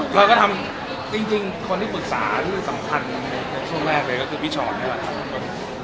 เราก็ทำจริงคนที่ปรึกษาที่สำคัญในช่วงแรกเลยก็คือพี่ชอนนี่แหละครับ